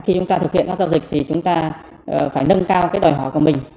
khi chúng ta thực hiện các giao dịch thì chúng ta phải nâng cao cái đòi hỏi của mình